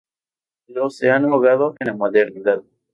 Los se han ahogado en la modernidad.